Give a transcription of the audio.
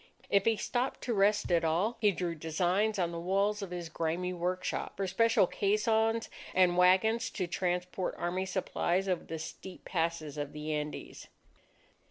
If he stopped to rest at all, he drew designs on the walls of his grimy workshop, for special caissons and wagons to transport army supplies over the steep passes of the Andes.